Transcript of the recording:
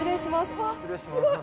うわすごい！